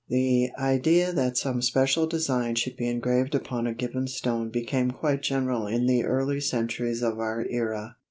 The idea that some special design should be engraved upon a given stone became quite general in the early centuries of our era.